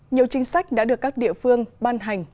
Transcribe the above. nhiều chính sách đã được các địa phương ban hành